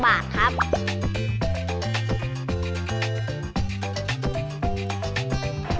อยากเล่นที่ทะเล